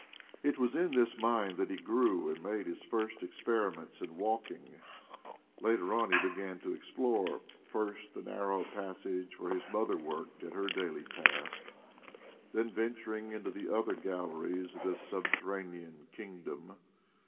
It was in this mine that he grew and made his first experiments in walking; later on he began to explore, first the narrow passage where his mother worked at her daily task, then venturing into the other galleries of this subterranean kingdom.